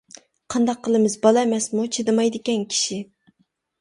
قانداق قىلىمىز بالا ئەمەسمۇ چىدىمايدىكەن كىشى.